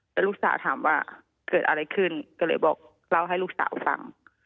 แต่ลูกสาวถามว่าเกิดอะไรขึ้นก็เลยบอกเล่าให้ลูกสาวฟัง